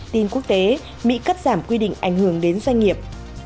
tin quốc tế mỹ cắt giảm quy định ảnh hưởng đến doanh nghiệp